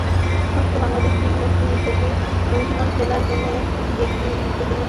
ষষ্ঠ বাংলাদেশ-চীন মৈত্রী সেতু মুন্সিগঞ্জ জেলার জন্য এটি একটি গুরুত্বপূর্ণ সেতু।